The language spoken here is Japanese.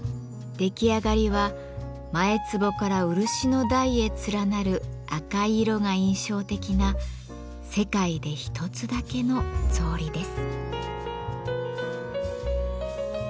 出来上がりは前つぼから漆の台へ連なる赤い色が印象的な世界で一つだけの草履です。